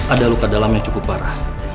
ada luka dalam yang cukup parah